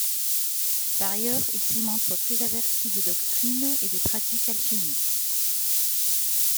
Par ailleurs, il s'y montre très averti des doctrines et des pratiques alchimiques.